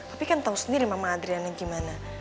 tapi kan tahu sendiri mama adriana gimana